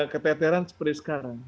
keteteran seperti sekarang